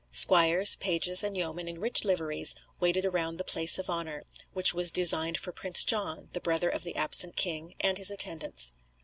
Squires, pages, and yeomen, in rich liveries, waited around the place of honour, which was designed for Prince John, the brother of the absent king, and his attendants.